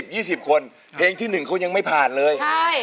เพราะว่าเพลงที่๑เขายังไม่ผ่านเลย